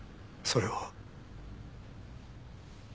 それは。